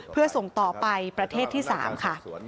เพื่อส่งต่อไปประเทศที่๓ค่ะ